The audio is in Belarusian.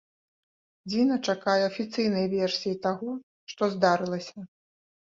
Дзіна чакае афіцыйнай версіі таго, што здарылася.